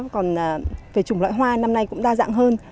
còn về chủng loại hoa năm nay cũng đa dạng hơn